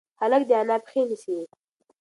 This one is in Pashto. هلک د انا پښې نیسي.